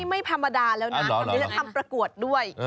ไม่ธรรมดาแล้วนะดีฉันทำกับทำประกวดด้วย